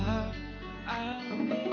saya sudah selesai melunyt